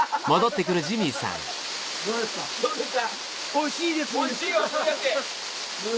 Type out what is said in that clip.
おいしいです。